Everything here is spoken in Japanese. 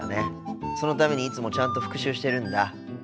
そのためにいつもちゃんと復習してるんだ。